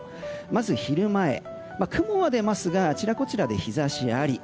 まず昼前、雲は出ますがあちらこちらで日差しあり。